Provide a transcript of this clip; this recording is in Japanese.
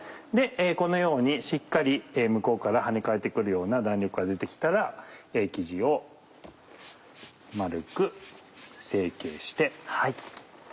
このようにしっかり向こうから跳ね返って来るような弾力が出て来たら生地を丸く成形して。